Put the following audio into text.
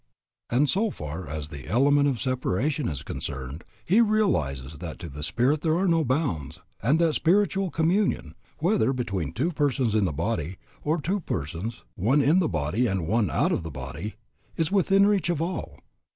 And so far as the element of separation is concerned, he realizes that to spirit there are no bounds, and that spiritual communion, whether between two persons in the body, or two persons, one in the body and one out of the body, is within the reach of all.